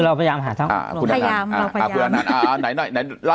เราพยายามหาทางอ่าพยายามอ่าพยายามอ่าไหนหน่อยไหนเล่า